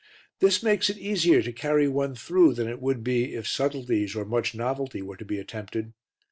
This makes it easier to carry one through than it would be if subtleties or much novelty were to be attempted.